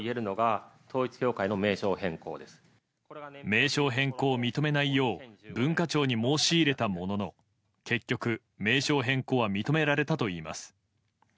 名称変更を認めないよう文化庁に申し入れたものの結局、名称変更は認められたといいます。